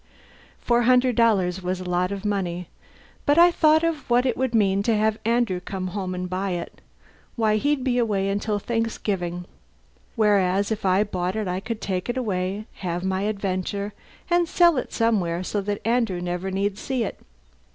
Four hundred dollars was a lot of money, but I thought of what it would mean to have Andrew come home and buy it. Why, he'd be away until Thanksgiving! Whereas if I bought it I could take it away, have my adventure, and sell it somewhere so that Andrew never need see it.